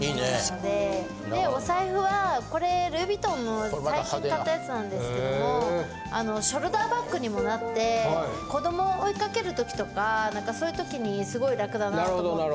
でお財布はこれルイ・ヴィトンの最近買ったやつなんですけどもショルダーバッグにもなって子供を追いかける時とかそういう時にすごい楽だなと思って。